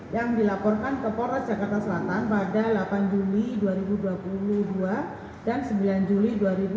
yang dilaporkan ke polres jakarta selatan pada delapan juli dua ribu dua puluh dua dan sembilan juli dua ribu dua puluh